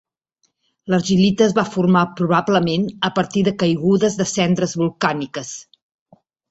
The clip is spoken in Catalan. L'argilita es va formar probablement a partir de caigudes de cendres volcàniques.